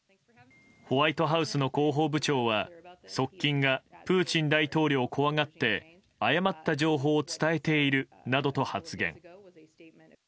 ホワイトハウスの広報部長は側近がプーチン大統領を怖がって誤った情報を伝えているなどと発言。